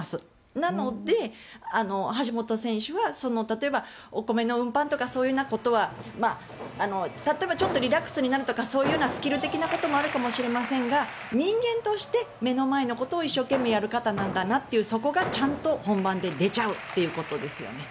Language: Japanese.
なので、橋本選手は例えば、お米の運搬とかそういうことは例えばリラックスになるとかそういうスキル的なこともあるかもしれませんが人間として目の前のことを一生懸命やる方なんだなというそこがちゃんと本番で出ちゃうということですね。